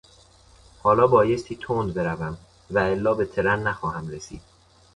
حالا بایستی تند بروم و الا به ترن نخواهم رسید.